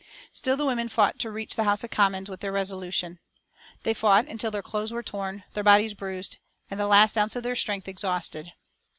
Still the women fought to reach the House of Commons with their resolution. They fought until their clothes were torn, their bodies bruised, and the last ounce of their strength exhausted.